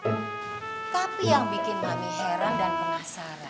itu yang bikin mami heran dan penasaran ya